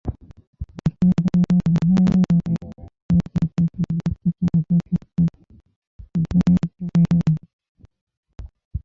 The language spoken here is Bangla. অস্ট্রেলীয়দের মধ্যে নয়ে ব্যাট করে দ্বিতীয় সর্বোচ্চ চারটি ফিফটি ব্রেট লির।